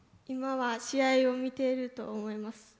今は試合を見ていると思います。